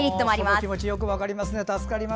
その気持ちよく分かります。